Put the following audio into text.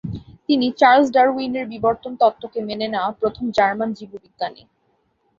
তিনি চার্লস ডারউইনের বিবর্তন তত্ত্বকে মেনে নেয়া প্রথম জার্মান জীববিজ্ঞানী।